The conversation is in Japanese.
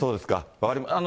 分かりました。